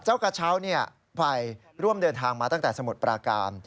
กระเช้าไปร่วมเดินทางมาตั้งแต่สมุทรปราการ